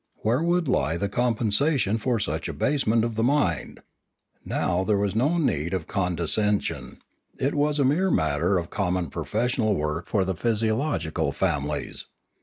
Where would lie the compensation for such abasement of the mind ? Now there was no need of condescension; it was a mere matter of common 510 Limanora professional work for the physiological families.